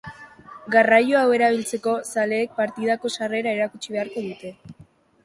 Garraio hau erabiltzeko, zaleek partidako sarrera erakutsi beharko dute.